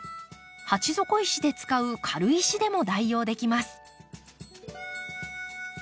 鉢底石で使う軽石でも代用できます。